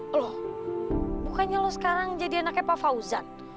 loh bukannya lo sekarang jadi anaknya pak fauzan